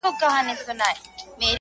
o چي خان ئې، په ياران ئې!